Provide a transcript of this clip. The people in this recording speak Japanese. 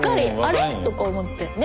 あれ？とか思って。